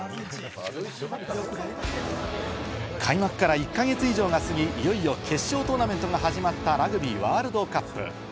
開幕から１か月以上が過ぎ、いよいよ決勝トーナメントが始まった、ラグビーワールドカップ。